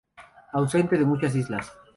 Ausente de muchas islas.